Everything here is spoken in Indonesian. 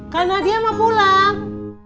kak nadia mau pulang